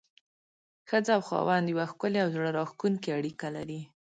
ښځه او خاوند يوه ښکلي او زړه راښکونکي اړيکه لري.